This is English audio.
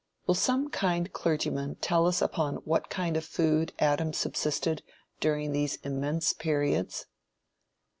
Will some kind clergymen tell us upon what kind of food Adam subsisted during these immense periods?